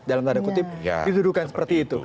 dalam tanda kutip didudukan seperti itu